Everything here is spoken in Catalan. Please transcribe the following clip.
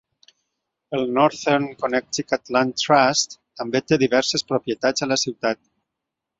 El Northern Connecticut Land Trust també té diverses propietats a la ciutat.